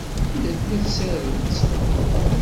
Anda tella tsarut?